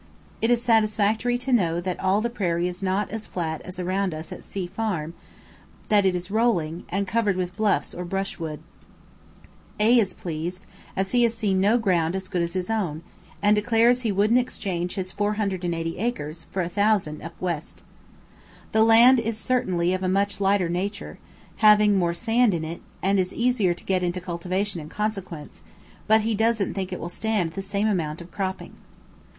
It is satisfactory to know that all the prairie is not as flat as around us at C Farm, that it is rolling, and covered with bluffs or brushwood. A is pleased, as he has seen no ground as good as his own, and declares he wouldn't exchange his 480 acres for thousand up west. The land is certainly of a much lighter nature, having more sand in it, and is easier to get into cultivation in consequence, but he doesn't think it will stand the same amount of cropping.